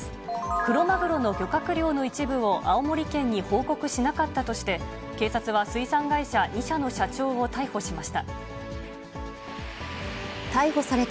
クロマグロの漁獲量の一部を青森県に報告しなかったとして、警察は水産会社２社の社長を逮捕しました。